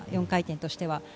４回転としては。